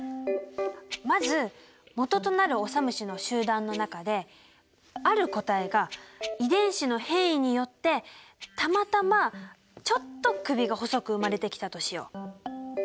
まず元となるオサムシの集団の中である個体が遺伝子の変異によってたまたまちょっと首が細く生まれてきたとしよう。